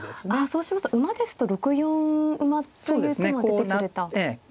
そうしますと馬ですと６四馬という手も出てくると。